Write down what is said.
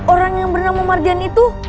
orang yang bernama margin itu